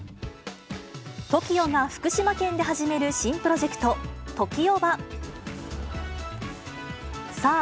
ＴＯＫＩＯが福島県で始める新プロジェクト、ＴＯＫＩＯーＢＡ。